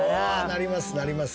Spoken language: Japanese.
なりますなります。